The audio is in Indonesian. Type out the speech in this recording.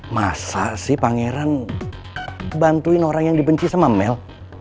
masa si pangeran bantuin orang yang dibenci sama mel